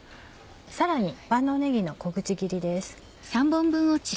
さらに万能ねぎの小口切りです。